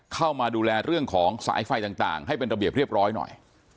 เข้ามาดูแลเรื่องของสายไฟต่างให้เป็นระเบียบเรียบร้อยหน่อย